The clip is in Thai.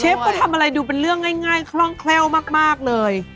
ก็ทำอะไรดูเป็นเรื่องง่ายคล่องแคล่วมากเลย